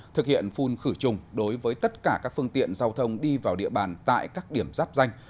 thực hiện phun khử trùng đối với tất cả các phương tiện giao thông đi vào địa bàn tại các điểm giáp danh